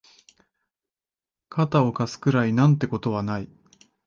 肩を貸すくらいなんてことはない